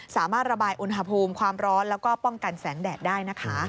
สามารถระบายอุณหภูมิความร้อนแล้วก็ป้องกันแสงแดดได้นะคะ